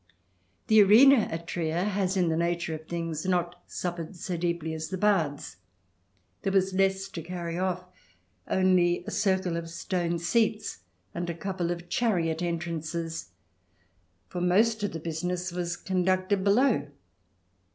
The arena at Trier has in the nature of things not suffered so deeply as the baths. There was less to carry off, only a circle of stone seats and a couple of chariot entrances, for most of the business was conducted below.